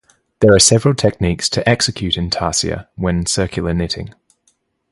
There are several techniques to execute intarsia when circular knitting.